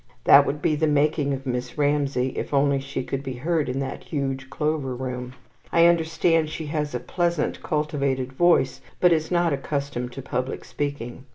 That would be the making of Miss Ramsay, if only she could be heard in that huge Clover Room. I understand she has a pleasant cultivated voice, but is not accustomed to public speaking.